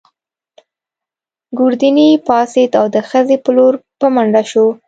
ګوردیني پاڅېد او د خزې په لور په منډه شو.